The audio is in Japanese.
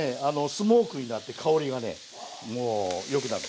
スモークになって香りがねもうよくなる。